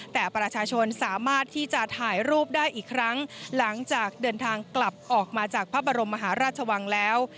แต่ประชาชนสามารถที่จะถ่ายรูปได้อีกครั้งหลังจากเดินทางกลับออกมาจากพระบรมมหาราชวังแล้ว